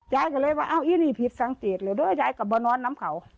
จายไปแล้วว่าอ้าวยี่นี่ผิดสังเกตเลยก็จายกลับบัดนอนน้ำเพ่า